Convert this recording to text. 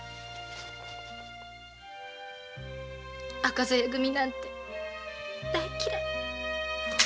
赤鞘組なんて大嫌い！